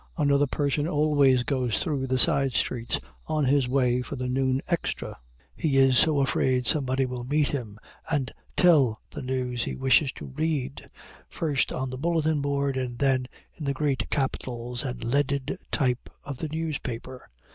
Another person always goes through the side streets on his way for the noon extra, he is so afraid somebody will meet him and tell the news he wishes to read, first on the bulletin board, and then in the great capitals and leaded type of the newspaper.